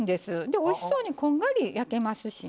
おいしそうにこんがり焼けますしね。